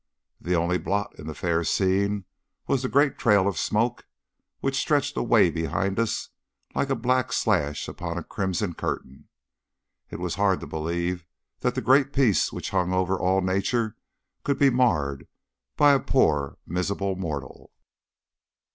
The only blot in the fair scene was the great trail of smoke which stretched away behind us like a black slash upon a crimson curtain. It was hard to believe that the great peace which hung over all Nature could be marred by a poor miserable mortal.